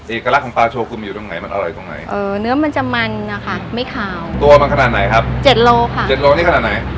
เอกลักษณ์ของปลาโชกุลมีอยู่ตรงไหนมันอร่อยตรงไหนเนื้อมันจะมันนะคะไม่ขาวตัวมันขนาดไหนครับ๗โลค่ะ